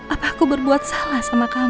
apa aku berbuat salah sama kamu